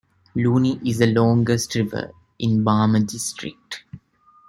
Luni is the longest river in Barmer district.